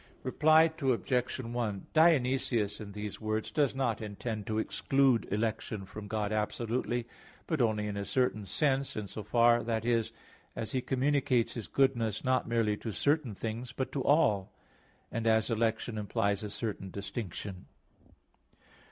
Reply Obj. 1: Dionysius in these words does not intend to exclude election from God absolutely; but only in a certain sense, in so far, that is, as He communicates His goodness not merely to certain things, but to all; and as election implies a certain distinction.